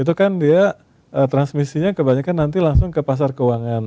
itu kan dia transmisinya kebanyakan nanti langsung ke pasar keuangan